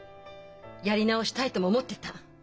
やり直したいとも思ってた。